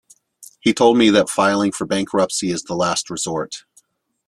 He told me that filing for bankruptcy is the last resort.